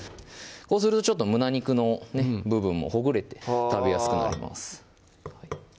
こうするとちょっと胸肉の部分もほぐれて食べやすくなります